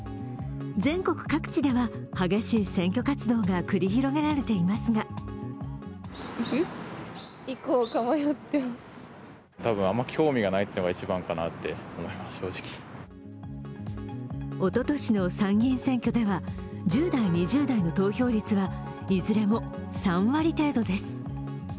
全国各では激しい選挙活動が繰り広げられていますがおととしの参議院選挙では１０代、２０代の投票率はいずれも３割程度です。